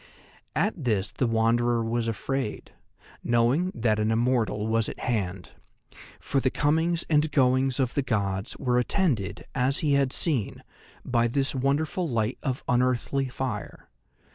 At this the Wanderer was afraid, knowing that an immortal was at hand; for the comings and goings of the gods were attended, as he had seen, by this wonderful light of unearthly fire.